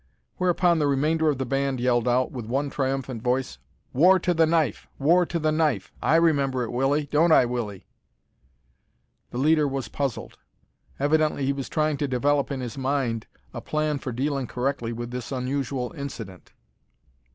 Whereupon the remainder of the band yelled out, with one triumphant voice: "War to the knife! War to the knife! I remember it, Willie. Don't I, Willie?" The leader was puzzled. Evidently he was trying to develop in his mind a plan for dealing correctly with this unusual incident.